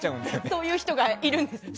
そういう人がいるんですね。